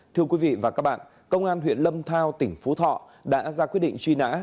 thưa quý vị và các bạn công an huyện lâm thao tỉnh phú thọ đã ra quyết định truy nã